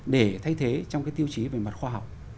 để thay thế trong cái tiêu chí về mặt khoa học